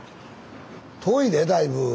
遠いでだいぶ。